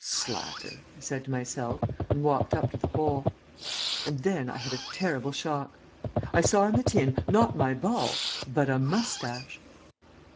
"Slacker," I said to myself, and walked up to the hole. And then I had a terrible shock. I saw in the tin, not my ball, but a moustache!